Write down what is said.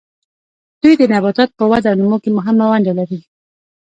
دوی د نباتاتو په وده او نمو کې مهمه ونډه لري.